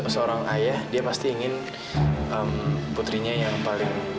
seorang ayah dia pasti ingin putrinya yang paling